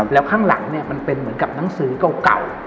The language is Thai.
แล้วข้างหลังมันเป็นเหมือนกับหนังสือเก่า